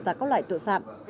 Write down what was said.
và các loại tội phạm